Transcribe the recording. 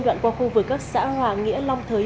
đoạn qua khu vực các xã hòa nghĩa long thới